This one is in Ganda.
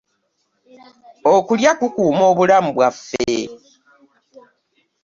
Okulya kukuuma obulamu bwaffe.